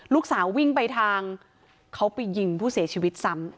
ลูกสาววิ่งไปทางเขาไปยิงผู้เสียชีวิตซ้ำ